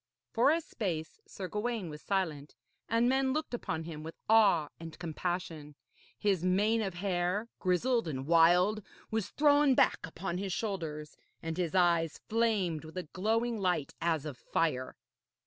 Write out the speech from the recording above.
For a space Sir Gawaine was silent, and men looked upon him with awe and compassion. His mane of hair, grizzled and wild, was thrown back upon his shoulders, and his eyes flamed with a glowing light as of fire.